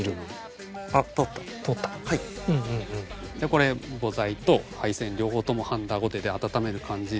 これ母材と配線両方ともはんだごてで温める感じで。